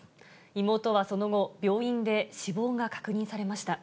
妹はその後、病院で死亡が確認されました。